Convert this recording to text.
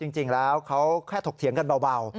จริงแล้วเขาแค่ถกเถียงกันเบา